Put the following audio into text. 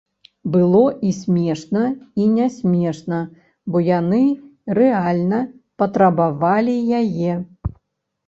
Было і смешна, і не смешна, бо яны рэальна патрабавалі яе.